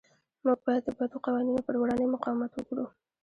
موږ باید د بدو قوانینو پر وړاندې مقاومت وکړو.